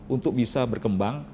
untuk bisa berkembang